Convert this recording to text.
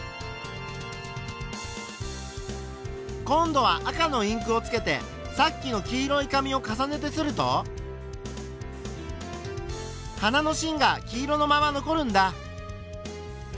今度は赤のインクをつけてさっきの黄色い紙を重ねて刷ると花のしんが黄色のまま残るんだ。